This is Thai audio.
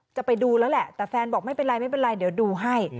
จะไปดูแล้วแหละแต่แฟนบอกไม่เป็นไรไม่เป็นไรเดี๋ยวดูให้